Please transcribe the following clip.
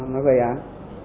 nó gây án